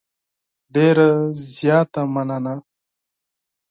ډېره زیاته مننه .